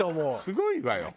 すごいわよ